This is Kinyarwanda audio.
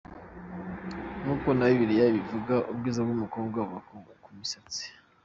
Nk’uko na bibiliya ibivuga, ubwiza bw’umukobwa buba mu misatsi.